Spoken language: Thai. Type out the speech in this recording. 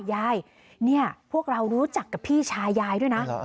ยายเนี่ยพวกเรารู้จักกับพี่ชายยายด้วยนะ